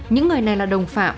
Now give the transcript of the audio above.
những người này là đồng phạm